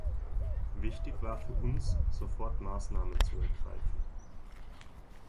Wichtig war für uns, sofort Maßnahmen zu ergreifen.